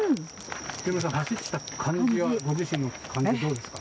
ヒロミさん、走った感じは、ご自身の感じどうですか？